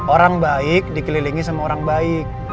orang baik dikelilingi sama orang baik